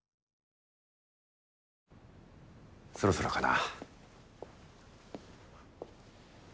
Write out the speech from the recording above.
そろそろかな。